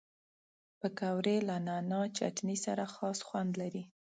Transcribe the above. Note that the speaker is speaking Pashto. پکورې له نعناع چټني سره خاص خوند لري